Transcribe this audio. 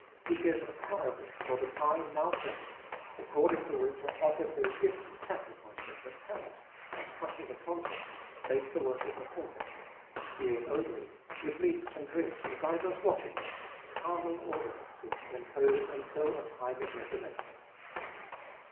Which is a parable for the time now present ; according to which are offered both gifts and sacrifices that cannot, as touching the conscience, make the worshipper perfect, 10. Being only (with meats and drinks and divers washings) carnal ordi nances, Imposed until a time of reformation.